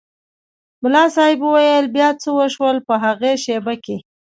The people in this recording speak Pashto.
ملا صاحب وویل بیا څه وشول په هغې شېبه کې.